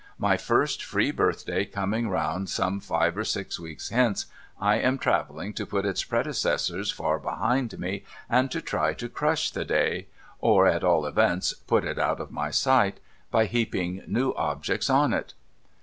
My first free birthday coming round some five or six weeks hence, I am travelling to put its predecessors far behind me, and to try to crush the day — or, at all events, put it out of my sight — by heaping new objects on it.